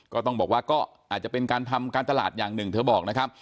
ก็ต้องบอกว่าก็อาจจะเป็นการทำการตลาดอย่างหนึ่งเธอบอกนะครับ